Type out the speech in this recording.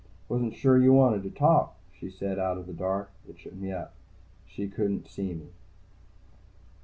"Wasn't sure you wanted to talk," she said out of the dark. It shook me up. She certainly couldn't see me.